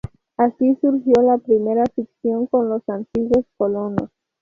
así surgió la primera fricción con los antiguos colonos